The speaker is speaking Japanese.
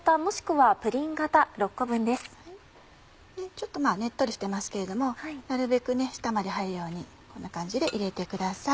ちょっとねっとりしてますけれどもなるべく下まで入るようにこんな感じで入れてください。